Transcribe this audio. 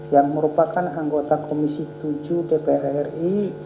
yang merupakan anggota komisi tujuh dpr ri